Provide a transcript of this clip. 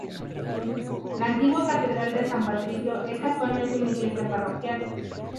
La Antigua Catedral de San Patricio es actualmente una iglesia parroquial.